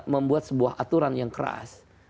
membuat sebuah aturan yang keras